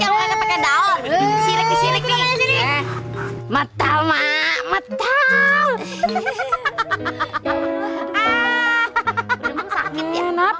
yang pakai daun sirik sirik ini matahari makna